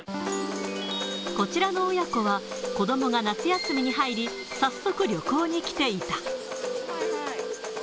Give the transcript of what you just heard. こちらの親子は、子どもが夏休みに入り、早速旅行に来ていた。